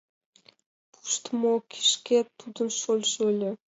— Пуштмо кишкет тудын шольыжо ыле.